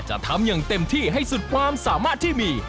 ทำอย่างเต็มที่ให้สุดความสามารถที่มี